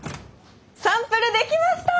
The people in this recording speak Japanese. サンプル出来ました！